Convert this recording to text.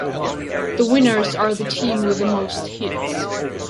The winners are the team with the most hits.